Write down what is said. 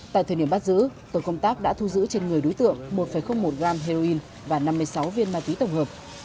tại thời điểm bắt giữ tổ công tác đã thu giữ trên người đối tượng một một gram heroin và năm mươi sáu viên ma túy tổng hợp